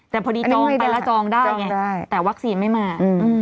แต่พอดีจองไปแล้วจองได้ไงแต่วัคซีนไม่มา